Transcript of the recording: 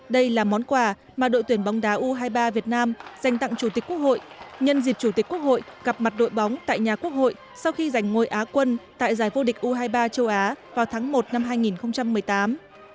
đây là món quà mà đội tuyển bóng đá u hai mươi ba việt nam dành tặng chủ tịch quốc hội nhân dịp chủ tịch quốc hội gặp mặt đội bóng tại nhà quốc hội sau khi giành ngôi á quân tại giải vô địch u hai mươi ba châu á vào tháng một năm hai nghìn một mươi tám